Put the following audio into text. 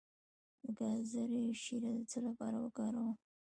د ګازرې شیره د څه لپاره وکاروم؟